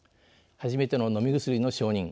初めての飲み薬の承認。